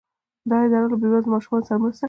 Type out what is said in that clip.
دا اداره له بې وزلو ماشومانو سره مرسته کوي.